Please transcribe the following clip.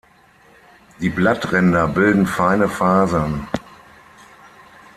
Die Blattränder bilden feine Fasern.